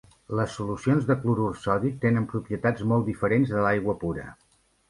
Les solucions de clorur sòdic tenen propietats molt diferents de l'aigua pura.